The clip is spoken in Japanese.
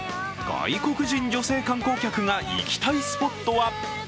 外国人女性観光客が行きたいスポットは？